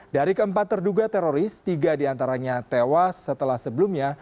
dari keempat terduga teroris tiga diantaranya tewas setelah sebelumnya